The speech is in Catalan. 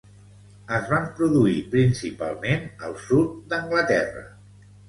Es van produir principalment al sud d'Anglaterra.